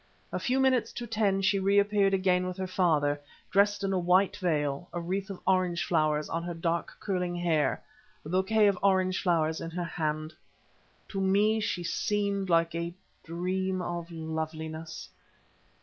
A few minutes to ten she reappeared again with her father, dressed in a white veil, a wreath of orange flowers on her dark curling hair, a bouquet of orange flowers in her hand. To me she seemed like a dream of loveliness.